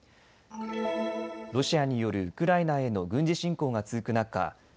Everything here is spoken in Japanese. ロシアによるウクライナへの軍事侵攻が続く中